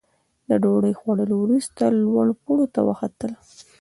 د ډوډۍ خوړلو وروسته لوړ پوړ ته وختلو.